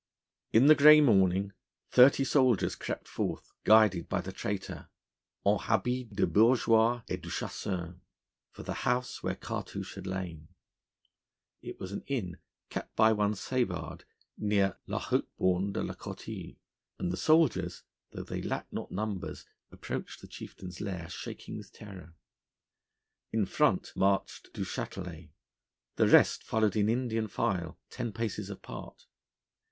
In the grey morning thirty soldiers crept forth guided by the traitor, 'en habits de bourgeois et de chasseur,' for the house where Cartouche had lain. It was an inn, kept by one Savard, near la Haulte Borne de la Courtille; and the soldiers, though they lacked not numbers, approached the chieftain's lair shaking with terror. In front marched Du Châtelet; the rest followed in Indian file, ten paces apart.